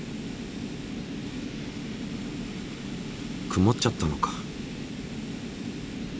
くもっちゃったのか。